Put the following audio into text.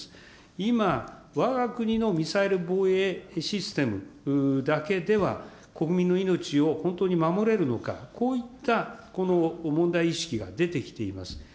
今、わが国のミサイル防衛システムだけでは、国民の命を本当に守れるのか、こういった問題意識が出てきています。